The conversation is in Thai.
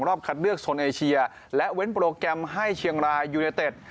คัดเลือกโซนเอเชียและเว้นโปรแกรมให้เชียงรายยูเนเต็ด